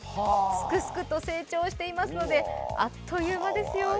すくすくと成長していますのであっという間ですよ。